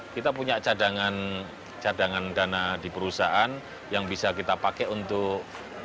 kita punya cadangan dana di perusahaan yang bisa kita pakai untuk